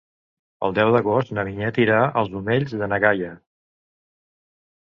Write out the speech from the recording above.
El deu d'agost na Vinyet irà als Omells de na Gaia.